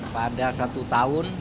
pada satu tahun